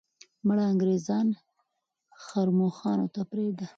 مړه انګریزان ښرموښانو ته پرېږده.